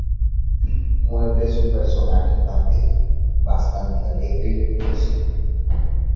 Mueble es un personaje infantil, bastante alegre y ruidoso.